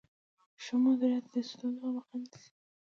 ښه مدیریت د ستونزو مخه نیسي.